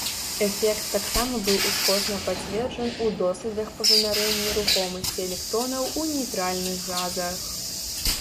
Эфект таксама быў ускосна пацверджан у доследах па вымярэнні рухомасці электронаў у нейтральных газах.